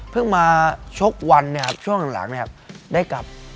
เพิ่งมาชกวันช่วงหลังได้กลับ